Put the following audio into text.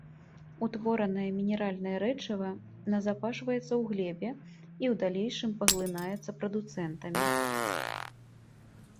Утворанае мінеральнае рэчыва назапашваецца ў глебе і ў далейшым паглынаецца прадуцэнтамі.